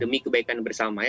dan juga kebaikan bersama